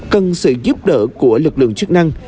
cần sự giúp đỡ của lực lượng chức năng